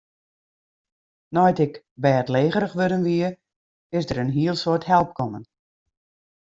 Nei't ik bêdlegerich wurden wie, is der in hiel soad help kommen.